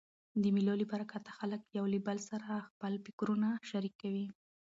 د مېلو له برکته خلک له یو بل سره خپل فکرونه شریکوي.